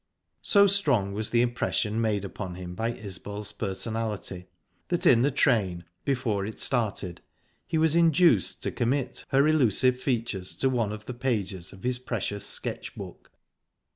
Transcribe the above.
So strong was the impression made upon him by Isbel's personality that in the train, before it started, he was induced to commit her elusive features to one of the pages of his precious sketch book.